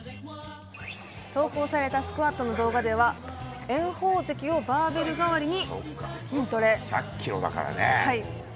投稿されたスクワットの動画では炎鵬関をバーベル代わりに筋トレ。